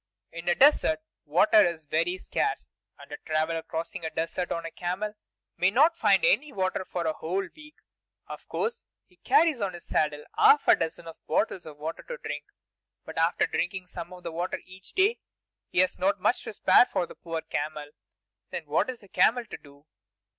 In a desert water is very scarce, and a traveler crossing a desert on a camel may not find any water for a whole week. Of course, he carries on his saddle half a dozen bottles of water to drink; but after drinking some of the water each day, he has not much to spare for the poor camel. Then what is the poor camel to do?